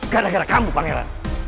karena gara kamu pangeran